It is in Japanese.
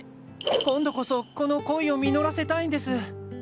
今度こそこの恋を実らせたいんです！